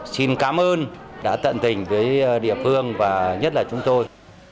xin cảm ơn đã tận tình với địa phương và nhất là chúng tôi